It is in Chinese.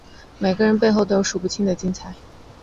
每个人背后都有数不清的精彩